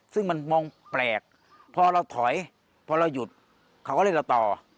ซึ่งมันมองแปลกพอเราถอยพอเราหยุดเขาก็เลยเราต่อ